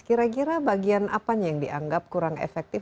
kira kira bagian apanya yang dianggap kurang efektif